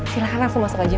silahkan langsung masuk saja